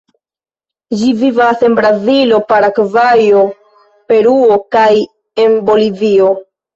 Ĝi vivas en Brazilo, Paragvajo, Peruo kaj en Bolivio.